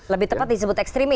lebih tepat disebut ekstremisme